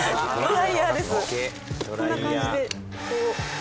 こんな感じでこう。